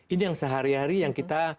ini yang sehari hari yang kita